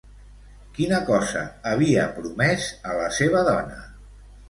Quina cosa havia promès a la seva dona?